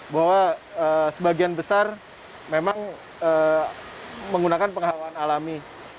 bahwa sebagian besar memang menggunakan pengawalan alami